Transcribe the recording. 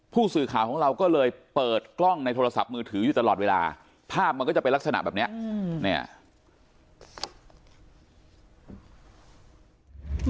ผู้สื่อข่าวของเราก็เลยเปิดกล้องในโทรศัพท์มือถืออยู่ตลอดเวลาภาพมันก็จะเป็นลักษณะแบบเนี้ยอืมเนี่ย